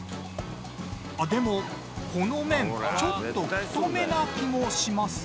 でもこの麺ちょっと太めな気もしますね。